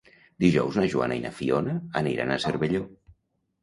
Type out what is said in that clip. Dijous na Joana i na Fiona aniran a Cervelló.